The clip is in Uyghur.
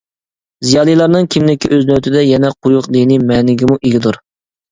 زىيالىيلارنىڭ كىملىكى ئۆز نۆۋىتىدە يەنە قويۇق دىنىي مەنىگىمۇ ئىگىدۇر.